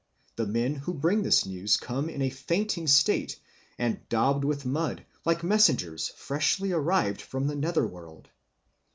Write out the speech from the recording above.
The men who bring this news come in a fainting state and daubed with mud, like messengers freshly arrived from the nether world.